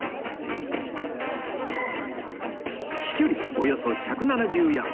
飛距離およそ１７０ヤード